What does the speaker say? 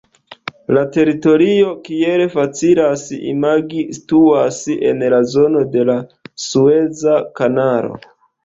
La teritorio, kiel facilas imagi, situas en la zono de la Sueza Kanalo.